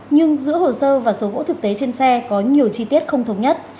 nhưng giữa hồ sơ và số gỗ thực tế trên xe có nhiều chi tiết không thống nhất